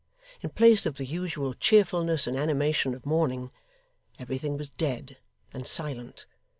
In place of the usual cheerfulness and animation of morning, everything was dead and silent.